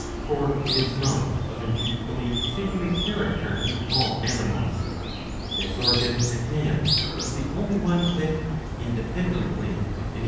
For it is not of an equally sinewy character in all animals. This organ, again, is the only one that, independently of any